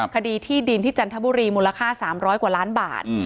คดีที่ดินที่จันทบุรีมูลค่า๓๐๐กว่าล้านบาท